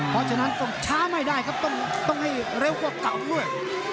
เพราะฉะนั้นต้องช้าไม่ได้ครับต้องให้เร็วกว่าเก่าด้วย